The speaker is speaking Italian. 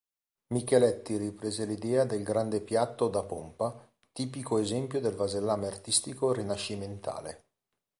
Micheletti riprese l'idea del grande piatto "da pompa", tipico esempio del vasellame artistico rinascimentale.